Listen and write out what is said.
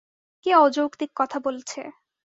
কে অযৌক্তিক কথা বলছে?